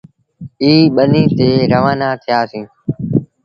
ائيٚݩ ٻنيٚ تي روآنآ ٿيٚآسيٚݩ ۔